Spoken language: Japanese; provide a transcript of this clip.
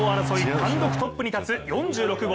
単独トップに立つ４６号。